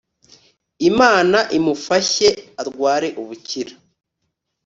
Imana imufashye arware ubukira